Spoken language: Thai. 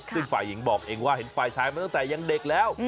ซึ่งฝ่ายหญิงบอกเองว่าเห็นฝ่ายชายมาตั้งแต่ยังเด็กแล้ว